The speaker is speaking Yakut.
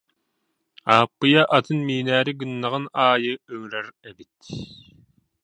Ааппыйы атын миинээри гыннаҕын аайы ыҥырар эбит